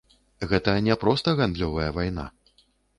Гэта не проста гандлёвая вайна.